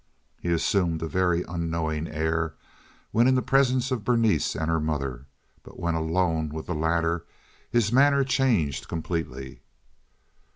He assumed a very unknowing air when in the presence of Berenice and her mother, but when alone with the latter his manner changed completely.